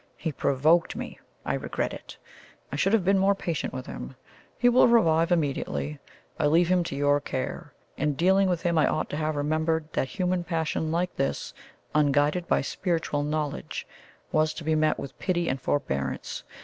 He provoked me; I regret it. I should have been more patient with him. He will revive immediately. I leave him to your care. In dealing with him, I ought to have remembered that human passion like his, unguided by spiritual knowledge, was to be met with pity and forbearance.